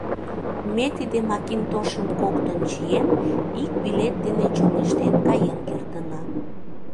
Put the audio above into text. Ме, тиде макинтошым коктын чиен, ик билет дене чоҥештен каен кертына.